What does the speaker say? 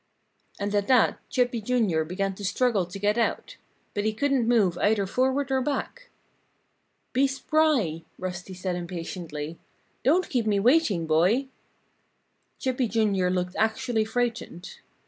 And at that Chippy, Jr., began to struggle to get out. But he couldn't move either forward or back. "Be spry!" Rusty said impatiently. "Don't keep me waiting, boy!" Chippy, Jr., looked actually frightened.